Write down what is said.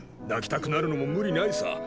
泣きたくなるのも無理ないさ。